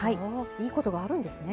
いいことがあるんですね。